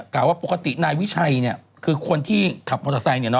กล่าวว่าปกตินายวิชัยนี่คือคนที่ขับทัวร์ไซฟ์นี่เนอะ